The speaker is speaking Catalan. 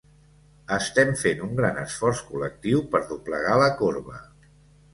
Estem fent un gran esforç col·lectiu per doblegar la corba.